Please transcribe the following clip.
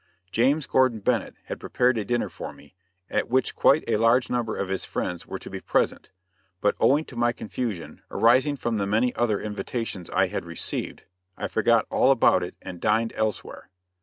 James Gordon Bennett had prepared a dinner for me, at which quite a large number of his friends were to be present, but owing to my confusion, arising from the many other invitations I had received, I forgot all about it, and dined elsewhere.